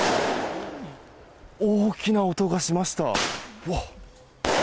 大きな音がしました。